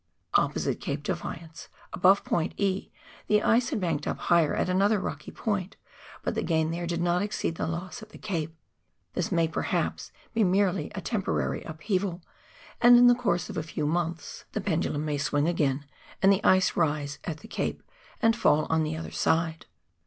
Opposite Cape Defiance, above point E, the ice had banked up higher at another rocky point, but the gain there did not exceed the loss at the cape. This may, perhaps, be merely a temporary upheaval, and in course of a few months the pendulum may 176 PIONEER WORK IN THE ALPS OF NEW ZEALAND, swing again, and tlie ice rise at the cape and fall on the other side.